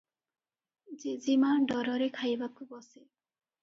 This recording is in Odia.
ଜେଜୀମା’ ଡରରେ ଖାଇବାକୁ ବସେ ।